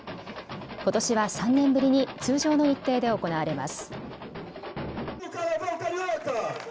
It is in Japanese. ことしは３年ぶりに通常の日程で行われます。